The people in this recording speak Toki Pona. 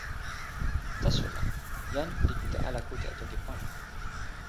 taso la, jan li kute ala kute e toki pona?